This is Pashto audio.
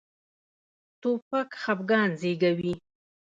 توپک خپګان زېږوي.